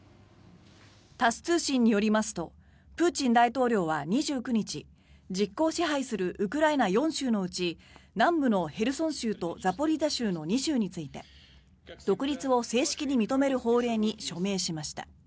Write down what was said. タス通信によりますとプーチン大統領は２９日実効支配するウクライナ４州のうち南部のヘルソン州とザポリージャ州の２州について独立を正式に認める法令に署名しました。